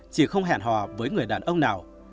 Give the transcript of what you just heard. chị không hẹn hòa với người đàn ông nào